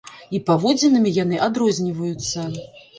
І паводзінамі яны адрозніваюцца.